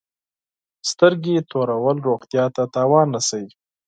سترګي تورول روغتیا ته تاوان رسوي.